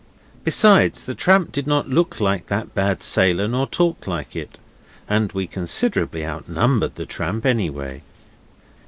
Besides the tramp did not look like that bad sailor, nor talk like it. And we considerably outnumbered the tramp, anyway.